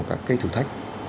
các cái thử thách